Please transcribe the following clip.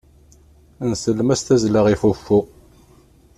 Nsellem-as tazzla i fuffu.